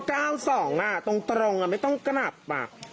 ก็๙๒ตรงไม่ต้องกลับ